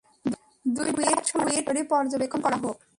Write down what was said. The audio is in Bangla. দুইটা টুইট সরাসরি পর্যবেক্ষণ করা হোক।